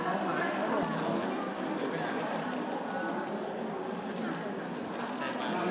ตอนนี้เรื่องสาระมั้ง